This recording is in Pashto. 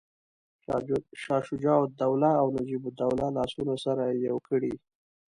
شجاع الدوله او نجیب الدوله لاسونه سره یو کړي.